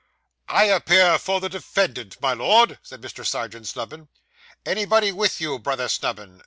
'I appear for the defendant, my Lord,' said Mr. Serjeant Snubbin. 'Anybody with you, Brother Snubbin?